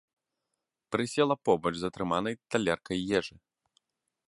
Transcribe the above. Прысела побач з атрыманай талеркай ежы.